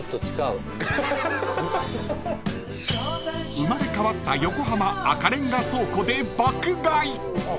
［生まれ変わった横浜赤レンガ倉庫で爆買い！］